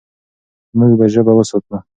موږ به ژبه وساتو.